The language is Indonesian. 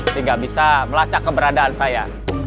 sehingga bisa melacak keberadaan saya